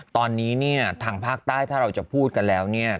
ตอนนี้ทางภาคใต้ถ้าเราจะพูดกันแล้ว